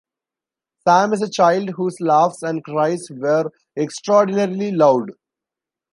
Sam is a child whose laughs and cries were extraordinarily loud.